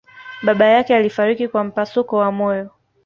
baba yake alifariki kwa mpasuko wa moyo